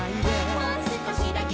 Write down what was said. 「もう少しだけ」